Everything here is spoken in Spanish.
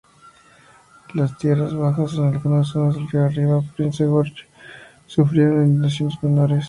Las tierra bajas en algunas zonas río arriba como Prince George sufrieron inundaciones menores.